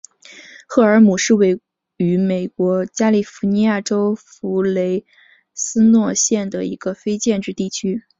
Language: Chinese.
赫尔姆是位于美国加利福尼亚州弗雷斯诺县的一个非建制地区。